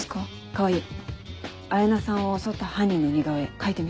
川合彩菜さんを襲った犯人の似顔絵描いてみて。